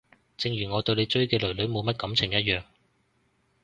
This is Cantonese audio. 正如我對你追嘅囡囡冇乜感情一樣